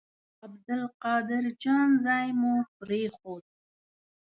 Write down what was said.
عبدالقاهر جان ځای مو پرېښود.